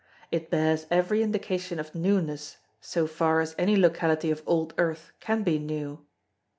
It bears every indication of newness so far as any locality of old earth can be new.